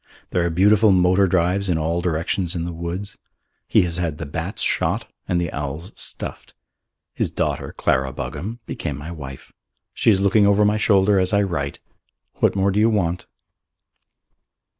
There are beautiful motor drives in all directions in the woods. He has had the bats shot and the owls stuffed. His daughter, Clara Buggam, became my wife. She is looking over my shoulder as I write. What more do you want?